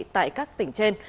tại các tỉnh trên